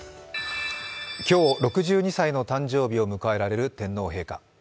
今日、６２歳の誕生日を迎えられる天皇陛下。